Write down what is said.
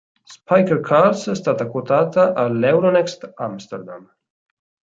Spyker Cars è stata quotata all'Euronext Amsterdam.